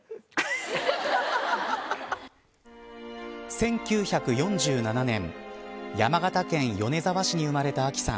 １９４７年山形県米沢市に生まれたあきさん。